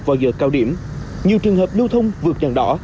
vào giờ cao điểm nhiều trường hợp lưu thông vượt đèn đỏ